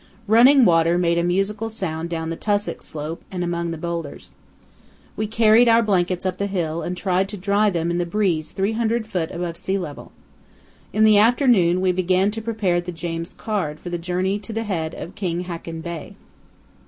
Running water made a musical sound down the tussock slope and among the boulders. We carried our blankets up the hill and tried to dry them in the breeze 300 ft. above sea level. In the afternoon we began to prepare the James Caird for the journey to the head of King Haakon Bay.